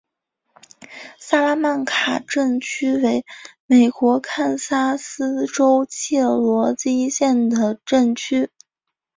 萨拉曼卡镇区为美国堪萨斯州切罗基县的镇区。